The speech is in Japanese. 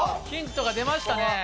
ヒントが出ましたね。